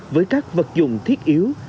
với các vật dụng thiết yếu